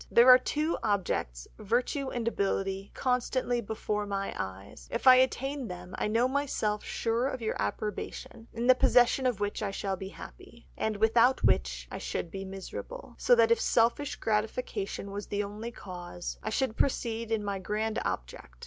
There are two objects (virtue and ability) constantly before my eyes; if I attain them I know myself sure of your approbation, in the possession of which I shall be happy, and without which I should be miserable, so that if selfish gratification was the only cause, I should proceed in my grand object.